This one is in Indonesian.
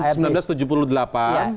ya ini ditandatangani